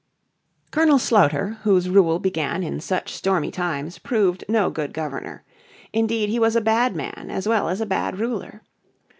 Colonel Sloughter whose rule began in such stormy times proved no good Governor. Indeed he was a bad man as well as a bad ruler.